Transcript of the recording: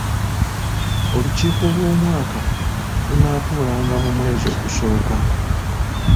Olukiiko lw'Omwaka lunaatuulanga mu mwezi ogusooka.